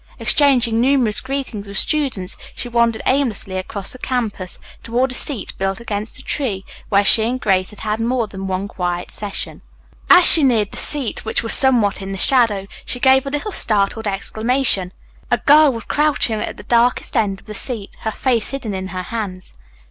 Exchanging numerous greetings with students, she wandered aimlessly across the campus toward a seat built against a tree where she and Grace had had more than one quiet session. As she neared the seat, which was somewhat in the shadow, she gave a little startled exclamation. A girl was crouching at the darkest end of the seat, her face hidden in her hands.